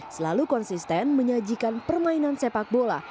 selalu konsisten menyajikan permainan sepak bola